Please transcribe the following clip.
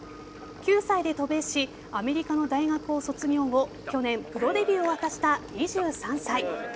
９歳で渡米しアメリカの大学を卒業後去年、プロデビューを果たした２３歳。